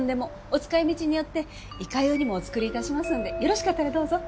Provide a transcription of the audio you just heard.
お使い道によっていかようにもお作り致しますのでよろしかったらどうぞ。